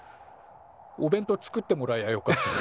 お弁当作ってもらえやよかった。